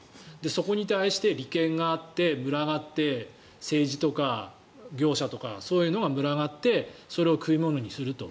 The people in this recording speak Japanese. そこに対して利権があってむらがって政治とか業者とかそういうのがむらがってそれを食い物にすると。